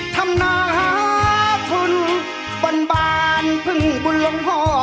ท่ามน้าทุนบนบานพึ่งบุลงห่อ